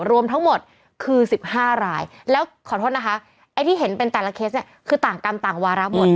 รวมทั้งหมดคือ๑๕รายแล้วขอโทษนะคะไอ้ที่เห็นเป็นแต่ละเคสเนี่ยคือต่างกรรมต่างวาระหมด